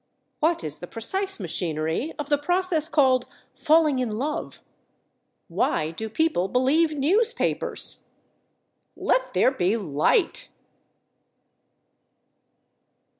What is the precise machinery of the process called falling in love? Why do people believe newspapers?... Let there be light!